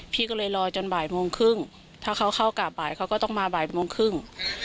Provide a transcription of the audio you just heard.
พี่ก็เลยรอจนบ่ายโมงครึ่งถ้าเขาเข้ากราบบ่ายเขาก็ต้องมาบ่ายโมงครึ่ง